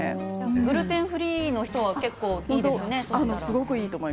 グルテンフリーの人にはいいですね。